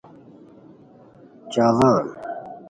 چاڑان